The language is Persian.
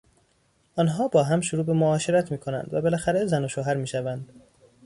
آنها با هم شروع به معاشرت می کنند و بالاخره زن وشوهر میشوند.